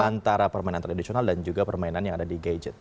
antara permainan tradisional dan juga permainan yang ada di gadget